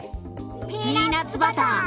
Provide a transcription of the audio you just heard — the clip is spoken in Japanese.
ピーナツバター！